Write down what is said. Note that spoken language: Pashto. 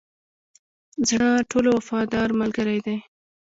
زړه ټولو وفادار ملګری دی.